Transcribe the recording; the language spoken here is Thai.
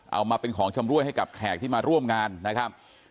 เอามาเป็นของชำรวยให้กับแขกที่มาร่วมงานนะครับ